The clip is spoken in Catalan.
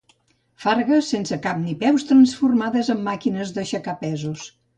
Fargues sense cap ni peus transformades en màquines d'aixecar pesos.